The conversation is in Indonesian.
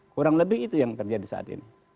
kurang lebih itu yang terjadi saat ini